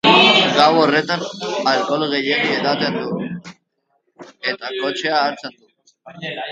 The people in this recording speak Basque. Gau horretan, alkohol gehiegi edaten du, eta kotxea hartzen du.